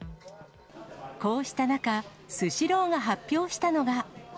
こうした中、スシローが発表したのが。